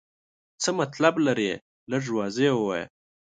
څه مطلب لرې ؟ لږ واضح ووایه.